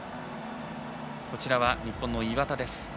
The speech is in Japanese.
こちらは日本の岩田です。